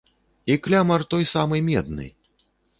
І клямар той самы медны!